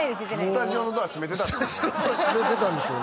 スタジオのドア閉めてたんでしょ